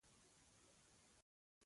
پوه شئ چې تاسو مړه یاست .